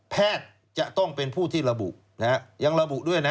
แพทย์จะต้องเป็นผู้ที่ระบุนะฮะยังระบุด้วยนะ